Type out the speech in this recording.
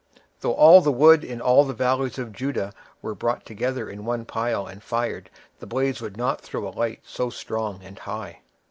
Though all the wood in all the valleys of Judah was brought together in one pile and fired, the blaze would not throw a light so strong and high."